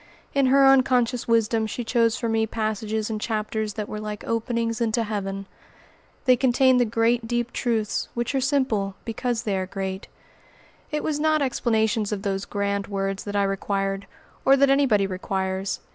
In her unconscious wisdom she chose for me passages and chapters that were like openings into heaven. They contained the great, deep truths which are simple because they are great. It was not explanations of those grand words that I required, or that anybody requires.